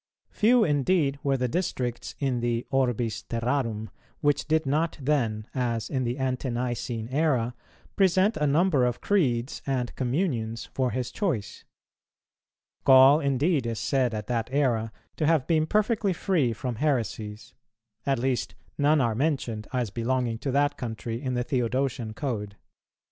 Few indeed were the districts in the orbis terrarum, which did not then, as in the Ante nicene era, present a number of creeds and communions for his choice. Gaul indeed is said at that era to have been perfectly free from heresies; at least none are mentioned as belonging to that country in the Theodosian Code.